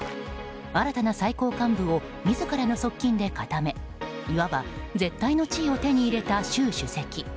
新たな最高幹部を自らの側近で固めいわば絶対の地位を手に入れた習主席。